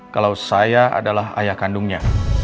kalau saya adalah ayah kandungnya